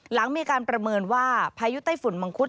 หลังมีการประเมินว่าพายุไต้ฝุ่นมังคุด